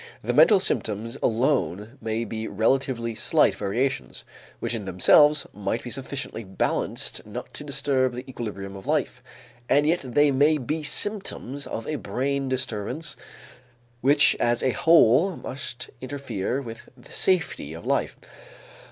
The mental symptoms alone may be relatively slight variations, which in themselves might be sufficiently balanced not to disturb the equilibrium of life, and yet they may be symptoms of a brain disturbance which as a whole must interfere with the safety of life.